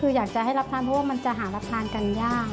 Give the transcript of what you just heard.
คืออยากจะให้รับทานเพราะว่ามันจะหารับทานกันยาก